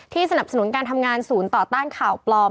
สนับสนุนการทำงานศูนย์ต่อต้านข่าวปลอม